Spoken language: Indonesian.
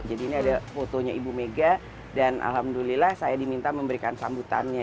jadi ini ada fotonya ibu mega dan alhamdulillah saya diminta memberikan sambutannya